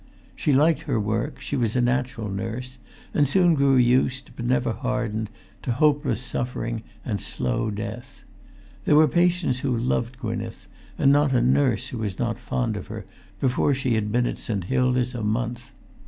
She liked her work; she was a natural nurse, and soon grew used, but never hardened, to hopeless suffering and slow death. There were patients who loved Gwynneth, and not a nurse who was not fond of her, before she had been at St. Hilda's a month.